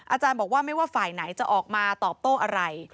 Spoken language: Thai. อาจารย์บอกว่าไม่ว่าฝ่ายไหนจะออกมาตอบโต้อะไร